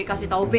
kasih tau be